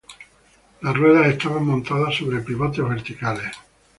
Las ruedas estaban montadas sobre pivotes verticales.